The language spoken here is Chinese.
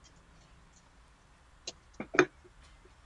普莱森特山是位于美国阿肯色州波尔克县的一个非建制地区。